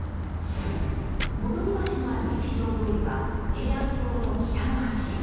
戻橋のある一条通は平安京の北の端。